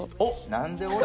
何で俺と。